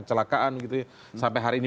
celakaan gitu sampai hari ini